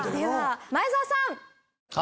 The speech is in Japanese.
前澤さん！